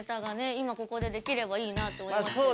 今ここで出来ればいいなと思いますけどね。